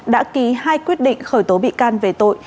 đã ký hai quyết định khởi tố bị can về tội